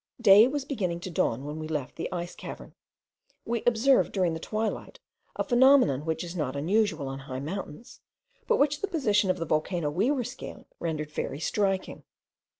Day was beginning to dawn when we left the ice cavern. We observed, during the twilight, a phenomenon which is not unusual on high mountains, but which the position of the volcano we were scaling rendered very striking.